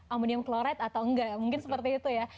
amonium kloride atau enggak mungkin seperti itu ya